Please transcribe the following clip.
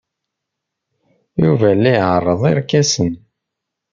Yuba la iɛerreḍ irkasen.